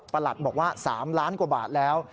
บอกว่า๓ล้านกว่าบาทแล้ว